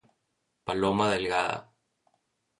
Paloma delgada.